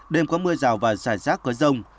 đêm có mưa rào và rải rác có rông